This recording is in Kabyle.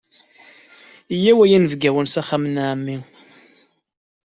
Yyaw a yinebgawen s axxam n ɛemmi!